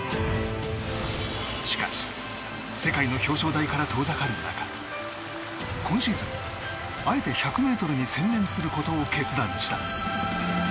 しかし、世界の表彰台から遠ざかる中今シーズン、あえて１００ｍに専念することを決断した。